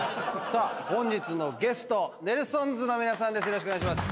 本日のゲストネルソンズの皆さんです。